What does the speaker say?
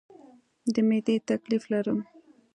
د معدې تکلیف لرم